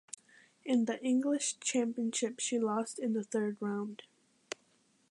In the English championship she lost in the third round.